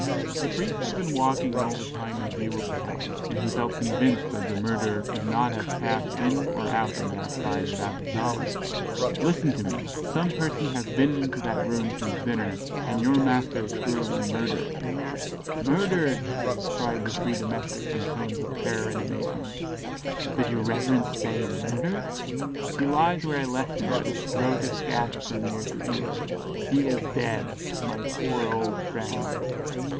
The priest had been walking all the time in view of the house, and he felt convinced that the murderer could not have passed in or out on that side without his knowledge. "Listen to me; some person has been into that room since dinner, and your master is cruelly murdered." "Murdered!" cried the three domestics in tones of terror and amazement; "did your reverence say 'murdered'?" "He lies where I left him, but his throat is gashed from ear to ear he is dead. My poor old friend!"